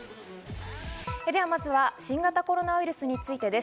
では、まずは新型コロナウイルスについてです。